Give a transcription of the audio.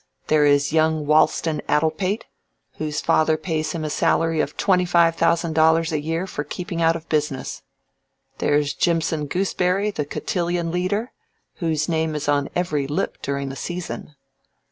There is young Walston Addlepate, whose father pays him a salary of twenty five thousand dollars a year for keeping out of business. There's Jimson Gooseberry, the cotillon leader, whose name is on every lip during the season.